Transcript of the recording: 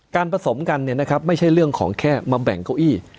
การผสมกันเนี่ยนะครับไม่ใช่เรื่องของแค่มาแบ่งเก้าอี้